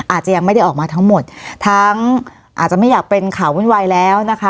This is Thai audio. อาจจะยังไม่ได้ออกมาทั้งหมดทั้งอาจจะไม่อยากเป็นข่าววุ่นวายแล้วนะคะ